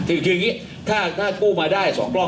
เขาไปส่งคนเด็กไปส่งผู้เสียชีวิตนะครับ